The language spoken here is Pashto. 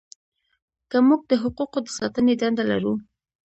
که موږ د حقوقو د ساتنې دنده لرو.